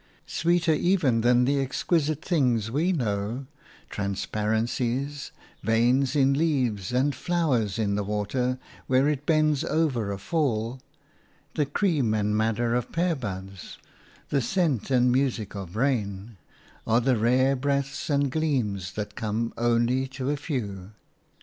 Sweeter even than the exquisite things we know – transparencies, veins in leaves and flowers and in water where it bends over a fall, the cream and madder of pearbuds, the scent and music of rain – are the rare breaths and gleams that come only to a few.